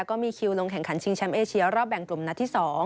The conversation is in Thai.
ก็มีคิวลงแข่งขันชิงแชมป์เอเชียรอบแบ่งกลุ่มนัดที่๒